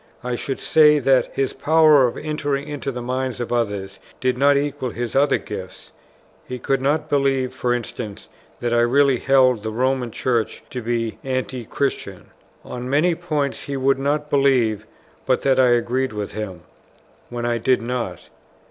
I should say that his power of entering into the minds of others did not equal his other gifts; he could not believe, for instance, that I really held the Roman Church to be Anti christian. On many points he would not believe but that I agreed with him, when I did not.